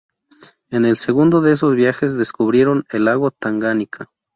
En el segundo de esos viajes descubrieron el lago Tanganica.